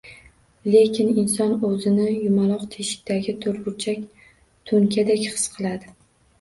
Lekin inson o’zini yumaloq teshikdagi to’rtburchak to’nkadek his qilsa